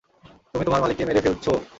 তুমি তোমার মালিককে মেরে ফেলছো।